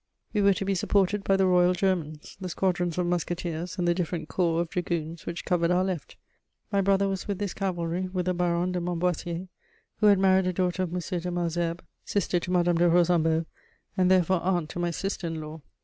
We were to be supported by the Royal Germans, the squadrons of musketeers and the different corps of dragoons which covered our left: my brother was with this cavalry with the Baron de Montboissier, who had married a daughter of M. de Malesherbes, sister to Madame de Rosanbo, and therefore aunt to my sister in law.